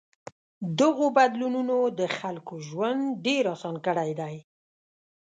دغو بدلونونو د خلکو ژوند ډېر آسان کړی دی.